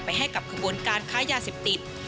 ไปให้กับข้อมูลการค้ายาเสพติด